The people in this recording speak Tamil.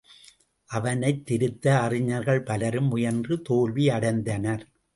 அவனைத் திருத்த அறிஞர்கள் பலரும் முயன்று தோல்வியடைந்தனர்.